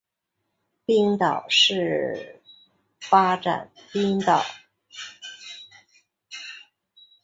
冰岛马是发展自冰岛的一个马品种。